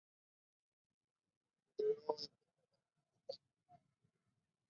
Manson consideró este trabajo musical una "autobiografía".